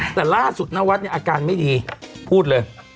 แต่ล่าสุดนวัดเนี่ยอาการไม่ดีพูดเลย